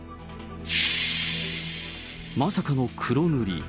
まさかの黒塗り。